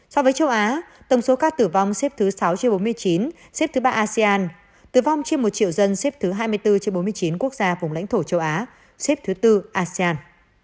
so với châu á tổng số ca tử vong xếp thứ sáu trên bốn mươi chín xếp thứ ba asean tử vong trên một triệu dân xếp thứ hai mươi bốn trên bốn mươi chín quốc gia vùng lãnh thổ châu á xếp thứ tư asean